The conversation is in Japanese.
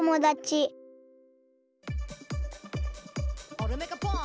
「オルメカポン！